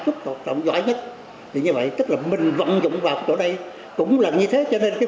chất hoạt động giỏi nhất thì như vậy tức là mình vận dụng vào chỗ đây cũng là như thế cho nên cái